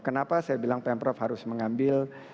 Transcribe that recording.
kenapa saya bilang pemprov harus mengambil